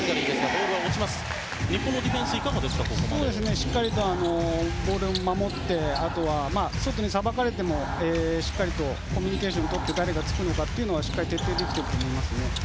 しっかりとゴールを守ってあとは外にさばかれてもしっかりとコミュニケーションをとって、誰がつくのか徹底できていると思います。